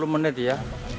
tiga puluh menit ya